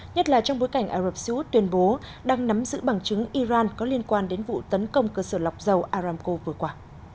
nhất là trong bối cảnh ả rập xê út tuyên bố đang nắm giữ bằng chứng iran có liên quan đến vụ tấn công cơ sở lọc dầu aramco vừa qua